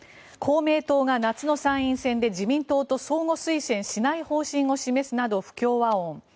公明党が夏の参院選で自民党と相互推薦しない方針を示すなど不協和音。